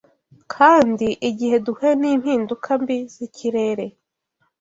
Kandi igihe duhuye n’impinduka mbi z’ikirere